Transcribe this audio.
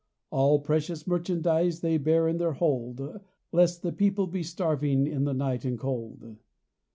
All precious merchandise They bear in their hold : Lest the people be starving In the night and cold.